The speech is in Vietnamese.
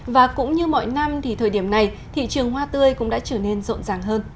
và cũng như mọi năm thì thời điểm này thị trường hoa tươi cũng đã trở nên rộn ràng hơn